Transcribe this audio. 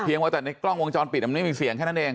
ไว้แต่ในกล้องวงจรปิดมันไม่มีเสียงแค่นั้นเอง